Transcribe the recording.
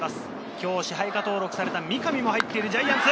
今日、支配下登録された三上も入っているジャイアンツ。